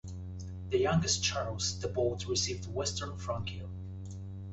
The youngest, Charles the Bald, received western Francia.